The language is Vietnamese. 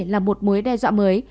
là một mối đe dọa mới